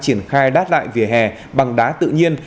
triển khai đát lại vỉa hè bằng đá tự nhiên